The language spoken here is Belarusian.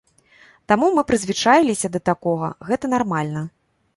Таму мы прызвычаіліся да такога, гэта нармальна.